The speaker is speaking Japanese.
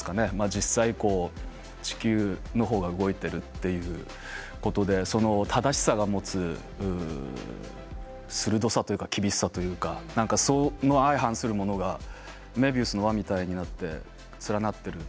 実際に地球の方が動いているということでその正しさが持つ鋭さというか厳しさというかその相反するものがメビウスの環みたいになって連なっている。